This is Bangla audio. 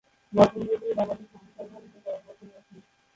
বর্তমানে তিনি বাংলাদেশ আনসার বাহিনীতে কর্মরত রয়েছেন।